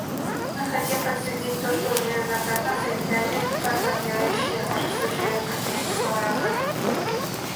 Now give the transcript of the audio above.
Мы хотим подтвердить то, что уже неоднократно заявляли подавляющее большинство членов Конференции по разоружению.